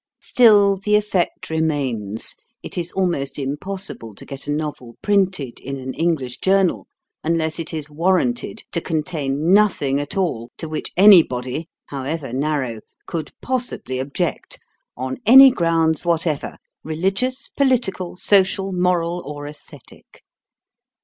Still, the effect remains: it is almost impossible to get a novel printed in an English journal unless it is warranted to contain nothing at all to which anybody, however narrow, could possibly object, on any grounds whatever, religious, political, social, moral, or aesthetic.